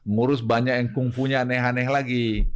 ngurus banyak yang kungfunya aneh aneh lagi